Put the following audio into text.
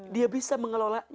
dia bisa mengelola